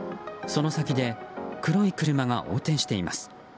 その先で黒い車が横転しています。